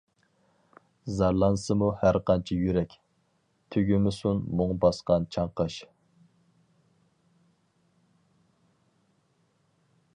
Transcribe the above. زارلانسىمۇ ھەرقانچە يۈرەك، تۈگىمىسۇن مۇڭ باسقان چاڭقاش.